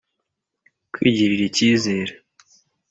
kwigirira icyizere,